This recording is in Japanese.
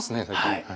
はい。